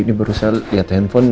ini baru saya lihat handphone